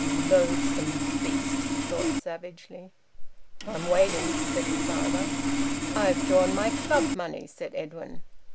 "Loathsome beast!" he thought savagely. "I'm waiting," said his father. "I've drawn my Club money," said Edwin.